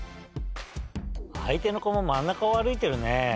あいての子も真ん中を歩いてるね。